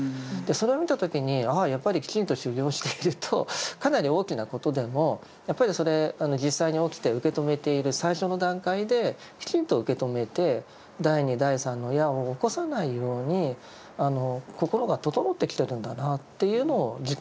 それを見た時にああやっぱりきちんと修行しているとかなり大きなことでもやっぱり実際に起きて受け止めている最初の段階できちんと受け止めて第二第三の矢を起こさないように心が整ってきてるんだなっていうのを実感したことがあります。